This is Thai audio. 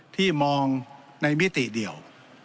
ที่มองในมิติเดียว